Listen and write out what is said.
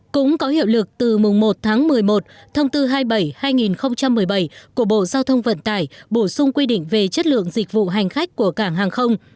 cũng có hiệu lực từ mùng một tháng một mươi một thông tư hai mươi bảy hai nghìn một mươi bảy của bộ giao thông vận tải bổ sung quy định về chất lượng dịch vụ hành khách của cảng hàng không